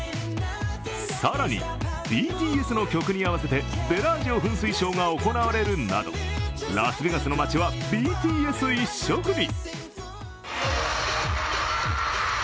更に、ＢＴＳの曲に合わせてベラージオ噴水ショーが行われるなど、ラスベガスの街はＢＴＳ一色に。